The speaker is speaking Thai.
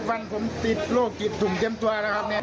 ผมมา๕๖วันผมติดโรคติดถุงเต็มตัวแล้วครับแม่